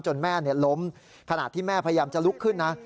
แม่ล้มขณะที่แม่พยายามจะลุกขึ้นนะ